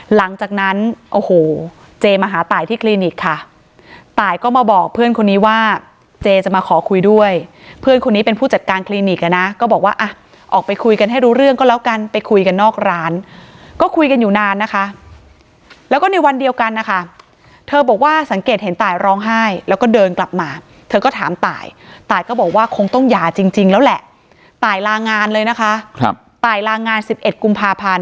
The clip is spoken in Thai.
หลังจากนั้นโอ้โหเจมาหาตายที่คลินิกค่ะตายก็มาบอกเพื่อนคนนี้ว่าเจจะมาขอคุยด้วยเพื่อนคนนี้เป็นผู้จัดการคลินิกอ่ะนะก็บอกว่าอ่ะออกไปคุยกันให้รู้เรื่องก็แล้วกันไปคุยกันนอกร้านก็คุยกันอยู่นานนะคะแล้วก็ในวันเดียวกันนะคะเธอบอกว่าสังเกตเห็นตายร้องไห้แล้วก็เดินกลับมาเธอก็ถามตายตายก็บอกว่าคงต้องหย่าจริงแล้วแหละตายลางานเลยนะคะครับตายลางาน๑๑กุมภาพันธ์